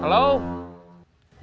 terima kasih kak